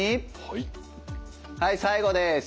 はい最後です。